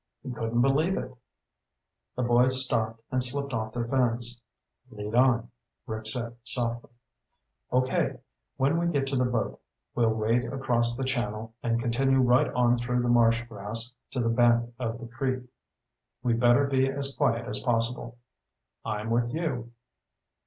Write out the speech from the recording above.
He couldn't believe it. The boys stopped and slipped off their fins. "Lead on," Rick said softly. "Okay. When we get to the boat, we'll wade across the channel and continue right on through the marsh grass to the bank of the creek. We'd better be as quiet as possible." "I'm with you."